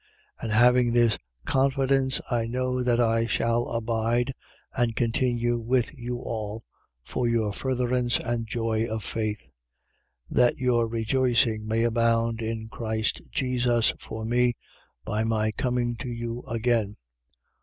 1:25. And having this confidence, I know that I shall abide and continue with you all, for your furtherance and joy of faith: 1:26. That your rejoicing may abound in Christ Jesus for me, by my coming to you again.